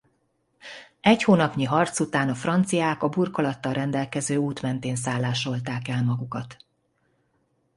Egy hónapnyi harc után a franciák a burkolattal rendelkező út mentén szállásolták el magukat.